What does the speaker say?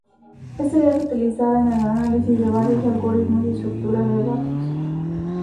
Esta idea es utilizada en el análisis de varios algoritmos y estructura de datos.